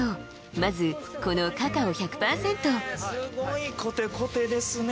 まずこのカカオ１００％すごいコテコテですね